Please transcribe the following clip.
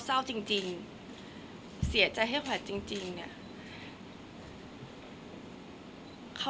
คนเราถ้าใช้ชีวิตมาจนถึงอายุขนาดนี้แล้วค่ะ